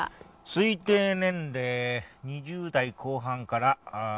推定年齢２０代後半から３０代中盤。